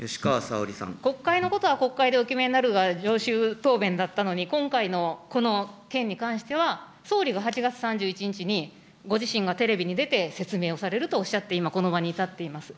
国会のことは国会でお決めになるのが常習答弁だったのに、今回のこの件に関しては、総理が８月３１日に、ご自身がテレビに出て、説明をされるとおっしゃって、今、この場に至っております。